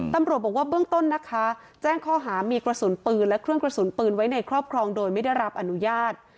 ตำรวจบอกว่าเบื้องต้นนะคะแจ้งข้อหามีกระสุนปืนและเครื่องกระสุนปืนไว้ในครอบครองโดยไม่ได้รับอนุญาต